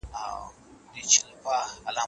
غریب سړي ته بازار هم کوهستان دئ.